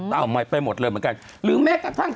ใหม่ไปหมดเลยเหมือนกันหรือแม้กระทั่ง